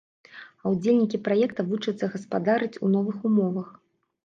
А ўдзельнікі праекта вучацца гаспадарыць у новых умовах.